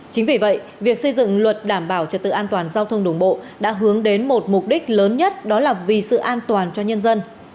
chính vì vậy việc xây dựng luật đảm bảo trật tự an toàn giao thông đường bộ đã hướng đến một mục đích lớn nhất đó là vì sự an toàn cho nhân dân